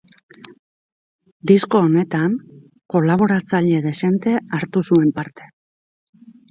Disko honetan kolaboratzaile dezente hartu zuen parte.